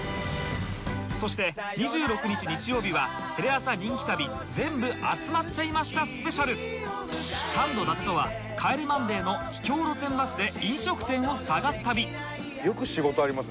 そして２６日日曜日はテレ朝人気旅全部集まっちゃいましたスペシャルサンド伊達とは『帰れマンデー』の秘境路線バスで飲食店を探す旅